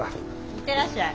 行ってらっしゃい。